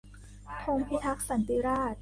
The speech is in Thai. ธงพิทักษ์สันติราษฎร์